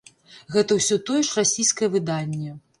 Гэта ўсё тое ж расійскае выданне.